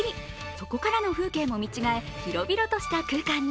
そこからの風景も見違え広々とした空間に。